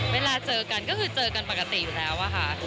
เวลาเจอกันก็คือเจอกันปกติอยู่แล้วอะค่ะ